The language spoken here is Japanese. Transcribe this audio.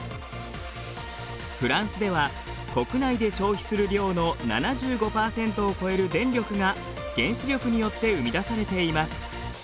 フランスでは国内で消費する量の７５％を超える電力が原子力によって生み出されています。